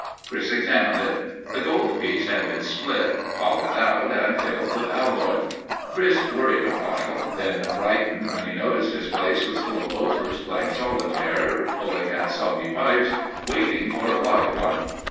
Chris examined it. The gold piece had been split, hollowed out and filled with alloy. Chris worried awhile, then brightened when he noticed his place was full of loafers playing solitaire; pulling at soggy pipes; waiting for a "live one."